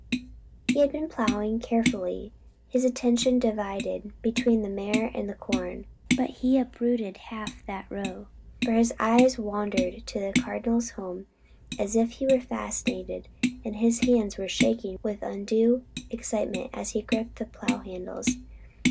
He had been plowing carefully, his attention divided between the mare and the corn; but he uprooted half that row, for his eyes wandered to the Cardinal's home as if he were fascinated, and his hands were shaking with undue excitement as he gripped the plow handles.